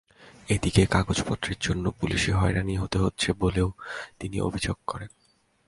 এদিকে কাগজপত্রের জন্য পুুলিশি হয়রানি হতে হচ্ছে বলেও তিনি অভিযোগ করেন।